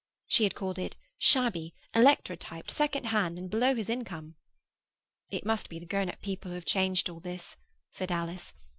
She had called it shabby, electrotyped, second hand, and below his income. 'It must be the grown up people who have changed all this,' said Alice.